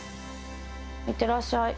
行ってらっしゃい。